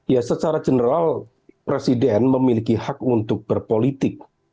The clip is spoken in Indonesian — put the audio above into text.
ya secara general presiden memiliki hak untuk berpolitik